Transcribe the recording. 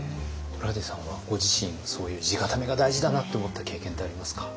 トラウデンさんはご自身そういう地固めが大事だなって思った経験ってありますか？